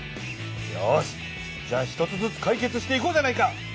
よしじゃあ１つずつかい決していこうじゃないか。